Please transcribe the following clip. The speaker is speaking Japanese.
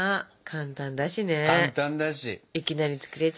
簡単だしね。